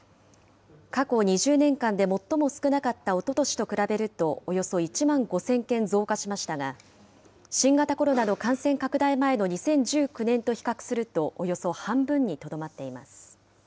過去２０年間で最も少なかったおととしと比べると、およそ１万５０００件増加しましたが、新型コロナの感染拡大前の２０１９年と比較すると、およそ半分にとどまっています。